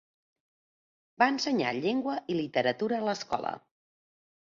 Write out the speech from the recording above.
Va ensenyar llengua i literatura a l'escola.